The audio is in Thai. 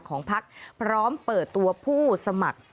ของพักพร้อมเปิดตัวผู้สมัคร